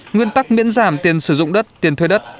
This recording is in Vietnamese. nguyên tắc miễn giảm tiền sử dụng đất tiền thuê đất